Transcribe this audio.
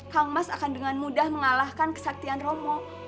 hang mas akan dengan mudah mengalahkan kesaktian romo